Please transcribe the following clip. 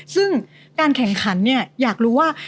ซึ่งการแข่งขันอยากรู้ว่า